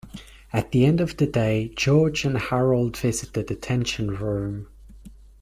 At the end of the day, George and Harold visit the detention room.